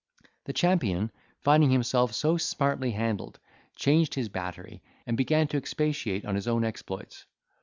The champion, finding himself so smartly handled, changed his battery, and began to expatiate on his own exploits.